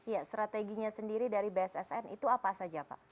ya strateginya sendiri dari bssn itu apa saja pak